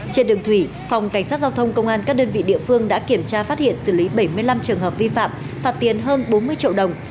trên đường thủy phòng cảnh sát giao thông công an các đơn vị địa phương đã kiểm tra phát hiện xử lý bảy mươi năm trường hợp vi phạm phạt tiền hơn bốn mươi triệu đồng